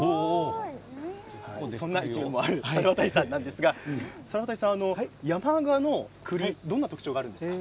そんな一面もある猿渡さんなんですが山鹿の栗、どんな特徴があるんですか？